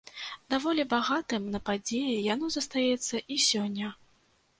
Даволі багатым на падзеі яно застаецца і сёння.